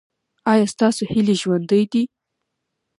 ایا ستاسو هیلې ژوندۍ دي؟